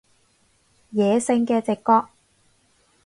野性嘅直覺